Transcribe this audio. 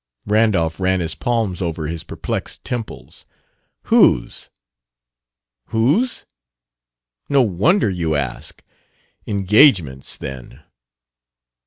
Randolph ran his palms over his perplexed temples. "Whose?" "Whose? No wonder you ask! Engagements, then."